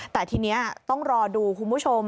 แต่ทีนี้ต้องรอดูคุณผู้ชม